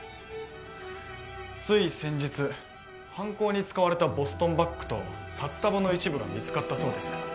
つい先日犯行に使われたボストンバッグと札束の一部が見つかったそうです。